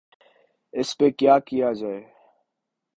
اس پہ کیا کہا جائے؟